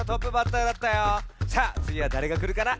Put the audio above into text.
さあつぎはだれがくるかな？